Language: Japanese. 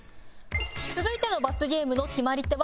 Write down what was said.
「続いての罰ゲームの決まり手はなんでしょう？」